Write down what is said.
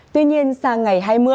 tuy nhiên sang ngày hai mươi